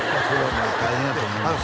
もう大変やと思いますよ